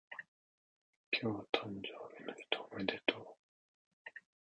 今日誕生日の人おめでとう